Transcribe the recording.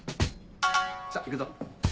さっ行くぞ。